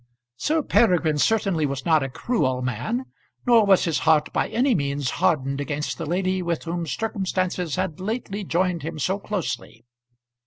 Sir Peregrine certainly was not a cruel man, nor was his heart by any means hardened against the lady with whom circumstances had lately joined him so closely.